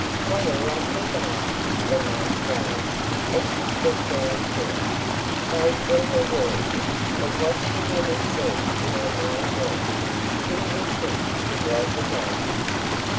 "What a lovely garden!" remarked Rose, as she stepped down to it. Those were her words, but what she really said in her mind was: "Who would think he was a draper?"